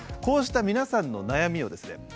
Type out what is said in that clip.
こうした皆さんの悩みをですね